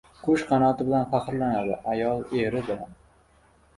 • Qush qanoti bilan faxrlanadi, ayol — eri bilan.